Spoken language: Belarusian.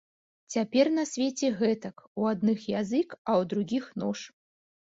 Цяпер на свеце гэтак, у адных язык, а ў другіх нож.